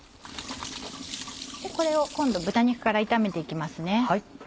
これを今度豚肉から炒めて行きますね。